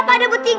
dia pada bertiga